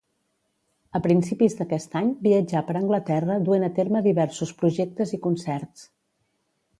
A principis d'aquest any viatjà per Anglaterra duent a terme diversos projectes i concerts.